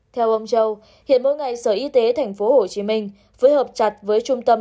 theo ông châu hiện mỗi ngày sở y tế tp hcm phối hợp chặt với trung tâm